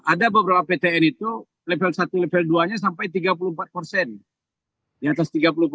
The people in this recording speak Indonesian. ada beberapa ptn itu level satu level dua nya sampai tiga puluh empat persen